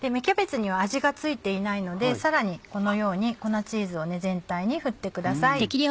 キャベツには味が付いていないのでさらにこのように粉チーズを全体に振ってください。